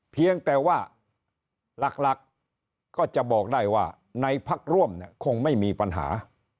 เพียงแต่ว่าหลักก็จะบอกได้ว่าในพักร่วมเนี่ยคงไม่มีปัญหา